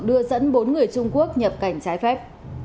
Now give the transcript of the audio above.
đưa dẫn bốn người trung quốc nhập cảnh trái phép